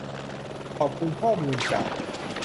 ขอบคุณข้อมูลจาก